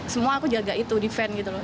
semua aku jaga itu defense gitu loh